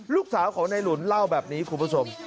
ลูกสาวของในหลุนเล่าแบบนี้คุณผู้ชม